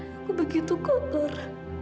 aku begitu kotor